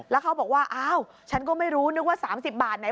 แล้วเขาบอกว่าอ้าวฉันก็ไม่รู้นึกว่า๓๐บาทไหน